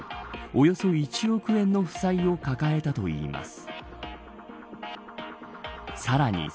およそ１億円の負債を抱えたといいます。